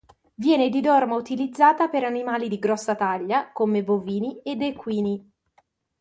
Viene di norma utilizzata per animali di grossa taglia come bovini ed equini.